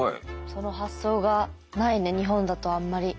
その発想がないね日本だとあんまり。